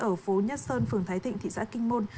ở phố nhất sơn phường thái thịnh thị xã kinh môn